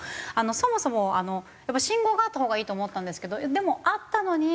そもそも信号があったほうがいいと思ったんですけどでもあったのに